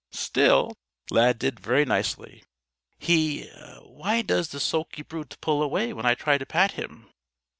Still, Lad did very nicely. He why does the sulky brute pull away when I try to pat him?"